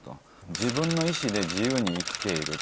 自分の意思で自由に生きていると。